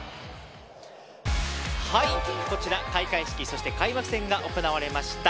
こちら開会式、そして開幕戦が行われました